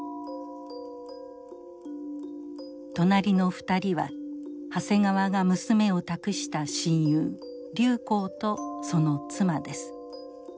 隣の２人は長谷川が娘を託した親友劉好とその妻です。